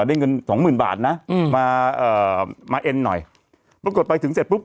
ได้เงินสองหมื่นบาทนะอืมมาเอ่อมาเอ็นหน่อยปรากฏไปถึงเสร็จปุ๊บ